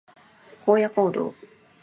荒野行動